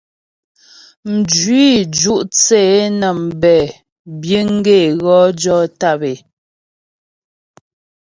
Mjwǐ ju' thə́ é nə́ mbɛ biəŋ gaə́ é wɔ jɔ tàp é.